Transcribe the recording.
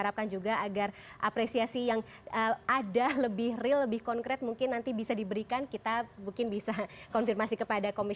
pegang pegang aja ya mbak